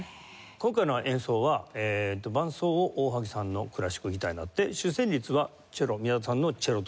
今回の演奏は伴奏を大萩さんのクラシックギターに乗って主旋律はチェロ宮田さんのチェロという事なんですね。